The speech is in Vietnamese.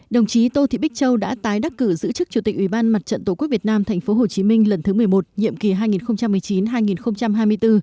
đồng chí tô thị bích châu đã tái đắc cử giữ chức chủ tịch ủy ban mặt trận tổ quốc việt nam thành phố hồ chí minh lần thứ một mươi một nhiệm kỳ hai nghìn một mươi chín